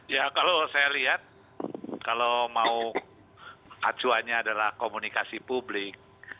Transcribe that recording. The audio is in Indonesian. ya kalau saya lihat kalau mau acuannya adalah komunikasi publik